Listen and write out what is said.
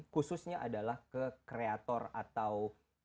khususnya adalah ke kreator atau